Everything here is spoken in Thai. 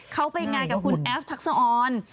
เขาไปงานกับคุณแอฟทักษะออน